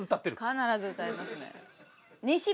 必ず歌いますね。